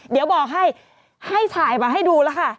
เดี๋ยวบอกให้ให้ถ่ายมาให้ดูแล้วค่ะ